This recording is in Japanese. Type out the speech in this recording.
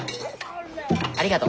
ありがと。